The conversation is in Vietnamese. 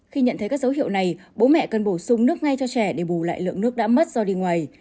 khi nhận thấy các dấu hiệu này bố mẹ cần bổ sung nước ngay cho trẻ để bù lại lượng nước đã mất do đi ngoài